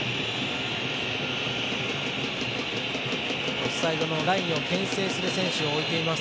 オフサイドのラインをけん制する選手を置いています。